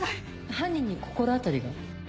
犯人に心当たりが？